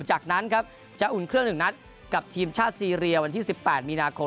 จากนั้นครับจะอุ่นเครื่อง๑นัดกับทีมชาติซีเรียวันที่๑๘มีนาคม